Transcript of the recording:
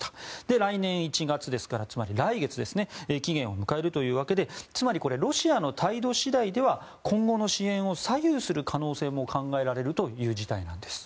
来年１月、つまり来月に期限を迎えるというわけでつまりこれロシアの態度次第では今後の支援を左右する可能性も考えられるという事態なんです。